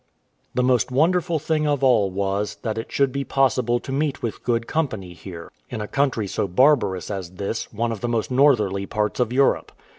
The most wonderful thing of all was, that it should be possible to meet with good company here, in a country so barbarous as this one of the most northerly parts of Europe.